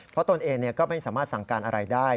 เพราะตนเองก็ไม่สามารถสั่งการอะไรได้